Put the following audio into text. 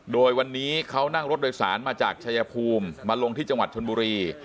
โดยวันนี้เขานั่งรถโดยสารมาจากชายภูมิมาลงที่จังหวัดชนบุรี